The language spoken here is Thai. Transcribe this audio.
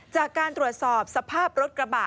จากการตรวจสอบสภาพรถกระบะ